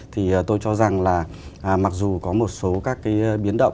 thì tôi cho rằng là mặc dù có một số các cái biến động